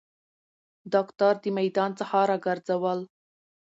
داکتر د میدان څخه راګرځول